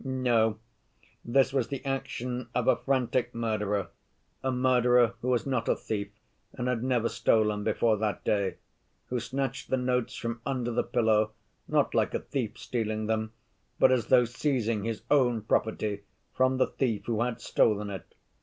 "No, this was the action of a frantic murderer, a murderer who was not a thief and had never stolen before that day, who snatched the notes from under the pillow, not like a thief stealing them, but as though seizing his own property from the thief who had stolen it.